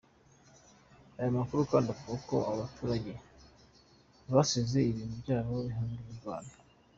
Aya makuru kandi avuga ko aba baturage basize ibintu byabo bahunga iyi mirwano.